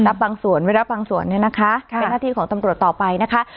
รับบางส่วนไม่รับบางส่วนเนี่ยนะคะเป็นหน้าที่ของตำรวจต่อไปนะคะ